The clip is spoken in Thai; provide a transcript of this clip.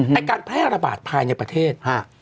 การแพร่ระบาดภายในประเทศ